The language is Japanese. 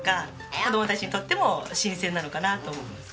子供たちにとっても新鮮なのかなと思います。